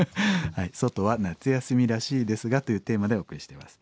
「ソトは夏休みらしいですが」というテーマでお送りしています。